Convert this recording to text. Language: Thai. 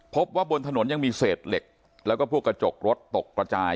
บนถนนยังมีเศษเหล็กแล้วก็พวกกระจกรถตกกระจาย